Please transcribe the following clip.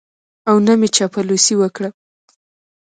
او نه مې چاپلوسي وکړه.